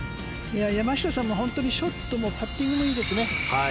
山下さんもショットもパッティングもいいですね。